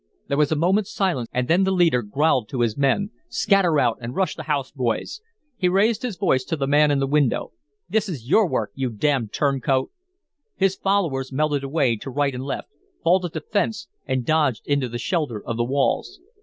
There was a moment's silence, and then the leader growled to his men, "Scatter out and rush the house, boys." He raised his voice to the man in the window. "This is your work you damned turncoat." His followers melted away to right and left, vaulted the fence, and dodged into the shelter of the walls.